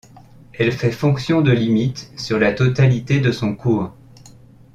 Elle fait fonction de limite sur la totalité de son cours.